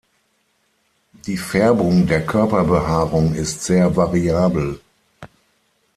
Die Färbung der Körperbehaarung ist sehr variabel.